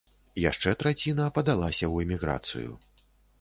Яшчэ траціна падалася ў эміграцыю.